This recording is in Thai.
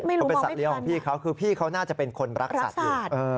เขาเป็นสัตเลี้ยของพี่เขาคือพี่เขาน่าจะเป็นคนรักสัตว์อยู่